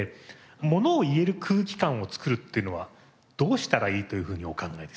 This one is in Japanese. ものを言える空気感を作るっていうのはどうしたらいいというふうにお考えですか？